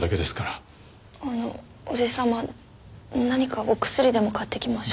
あの叔父さま何かお薬でも買ってきましょうか？